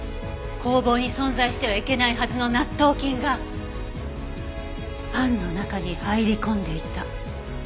工房に存在してはいけないはずの納豆菌がパンの中に入り込んでいた。